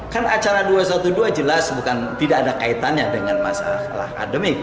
karena acara dua ratus dua belas jelas bukan tidak ada kaitannya dengan masalah akademik